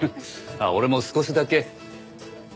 俺も少しだけ。